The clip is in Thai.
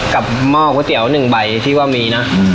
กับหม้อก๋วยเตี๋ยวหนึ่งใบที่ว่ามีนะ